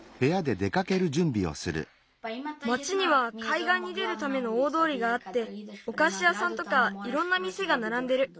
町にはかいがんに出るための大どおりがあっておかしやさんとかいろんなみせがならんでる。